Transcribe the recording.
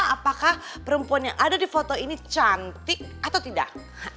apakah perempuan yang ada di foto ini cantik atau tidak